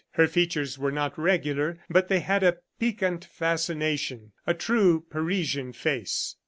Her features were not regular but they had a piquant fascination a true Parisian face.